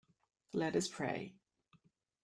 Let us pray.